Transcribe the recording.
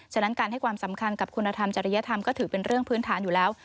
ฉะนั้นการให้ความสำคัญกับคุณธรรมจริยธรรมก็ถือเป็นเรื่องพื้นฐานอยู่แล้ว